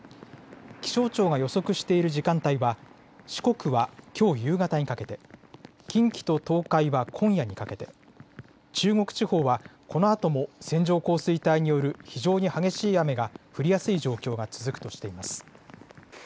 気象庁が予測している時間帯は、四国はきょう夕方にかけて、近畿と東海は今夜にかけて、中国地方はこのあとも線状降水帯による非常に激しい雨が降りやすい状況が続くとしています。